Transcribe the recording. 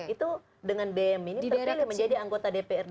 itu dengan bm ini terpilih menjadi anggota dprd